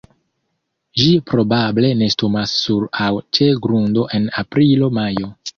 Ĝi probable nestumas sur aŭ ĉe grundo en aprilo-majo.